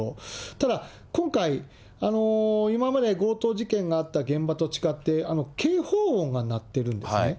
ただ、今回、今まで強盗事件があった現場と違って、警報音が鳴ってるんですね。